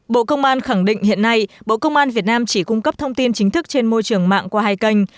bộ công an khẳng định hiện nay bộ công an việt nam chỉ cung cấp thông tin chính thức trên môi trường mạng qua hai kênh